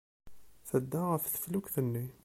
Tedda ɣef teflukt-nni.